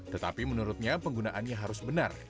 tetapi menurutnya penggunaannya harus benar